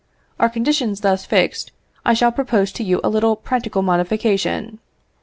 Our conditions thus fixed, I shall propose to you a little practical modification.